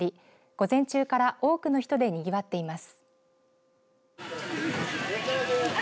午前中から多くの人でにぎわっています。